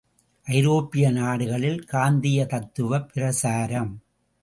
ஐரோப்பிய நாடுகளில் காந்தீய தத்துவப் பிரசாரம்!